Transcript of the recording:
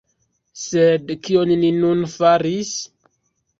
Sed kion ni nun faris?